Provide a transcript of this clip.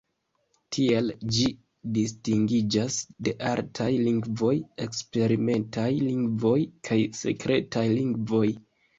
Tiel ĝi distingiĝas de artaj lingvoj, eksperimentaj lingvoj kaj sekretaj lingvoj.